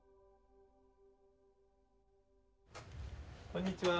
こんにちは。